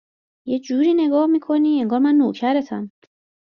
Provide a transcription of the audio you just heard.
یه جوری نگاه می کنی انگار من نوکرتم